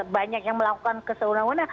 banyak yang melakukan keseluruhan